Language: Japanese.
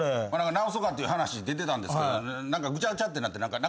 直そうかっていう話出てたんですけどぐちゃぐちゃってなってなくなりました。